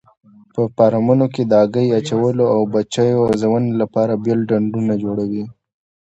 په فارمونو کې د هګۍ اچولو او بچیو روزنې لپاره بېل ډنډونه جوړوي.